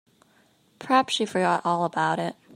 Perhaps she forgot all about it.